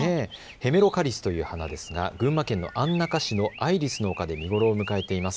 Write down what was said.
ヘメロカリスという花ですが群馬県安中市のアイリスの丘で見頃を迎えています。